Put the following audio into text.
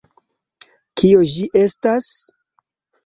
Kio ĝi estas?